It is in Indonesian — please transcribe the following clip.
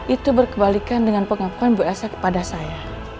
itu berkebalikan dengan pengakuan bu elsa kepada saya